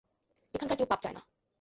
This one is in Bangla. এখানকার কেউ পাব চায় না।